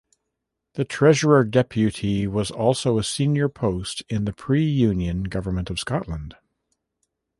The Treasurer-depute was also a senior post in the pre-Union government of Scotland.